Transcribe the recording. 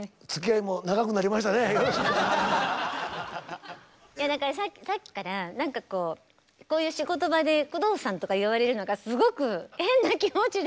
いやだからさっきから何かこうこういう仕事場で「工藤さん」とか言われるのがすごく変な気持ちで。